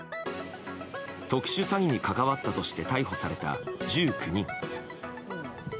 特殊詐欺に関わったとして逮捕された１９人。